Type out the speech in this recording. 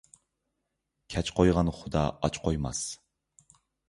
كەچ قويغان خۇدا ئاچ قويماس.